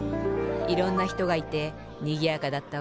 いろんなひとがいてにぎやかだったわ。